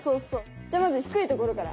じゃあまずひくいところから。